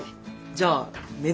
じゃあめ